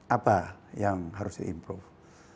apa yang harus di improve